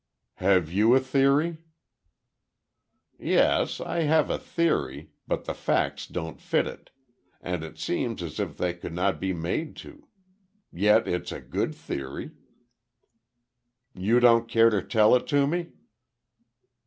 "Have you a theory?" "Yes, I have a theory, but the facts don't fit it—and it seems as if they could not be made to. Yet it's a good theory." "You don't care to tell it to me?"